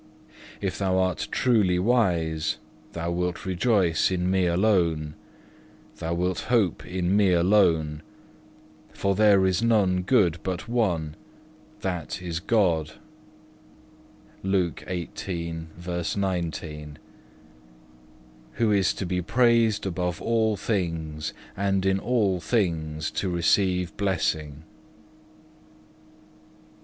If thou art truly wise, thou wilt rejoice in Me alone, thou wilt hope in Me alone; for there is none good but one, that is God,(1) Who is to be praised above all things, and in all things to receive blessing."